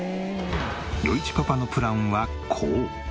余一パパのプランはこう。